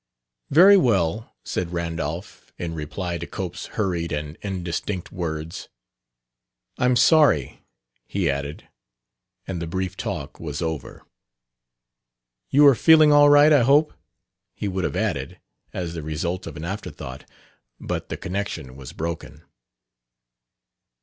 "Very well," said Randolph, in reply to Cope's hurried and indistinct words. "I'm sorry," he added, and the brief talk was over. "You are feeling all right, I hope," he would have added, as the result of an afterthought; but the connection was broken.